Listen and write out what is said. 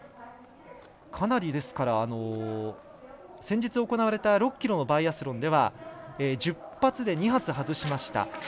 かなり、先日行われた６ｋｍのバイアスロンでは１０発で２発、外しました。